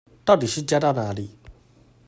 到底是加到哪裡